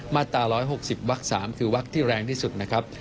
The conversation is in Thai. มาตรา๑๖๐วัก๓คือวักที่แรงที่สุดนะครับ